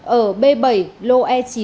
ở b bảy lô e chín